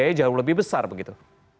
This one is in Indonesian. kayaknya jauh lebih besar begitu